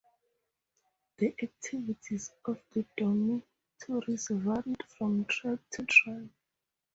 The activities of the dormitories varied from tribe to tribe.